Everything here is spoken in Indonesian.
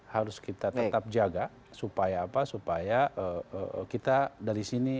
harus kita tetap jaga supaya kita dari sini